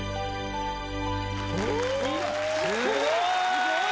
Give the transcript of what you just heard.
すごい！